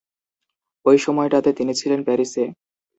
ঐ সময়টায় তিনি ছিলেন প্যারিসে।